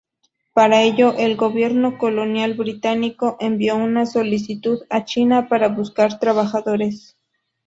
Para ello, el gobierno colonial británico envió una solicitud a China para buscar trabajadores.